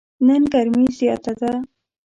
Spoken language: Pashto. نن ګرمي زیاته ده.